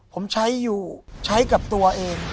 ผมใช้อยู่ใช้กับตัวเอง